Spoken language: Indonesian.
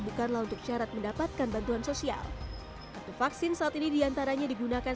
bukanlah untuk syarat mendapatkan bantuan sosial kartu vaksin saat ini diantaranya digunakan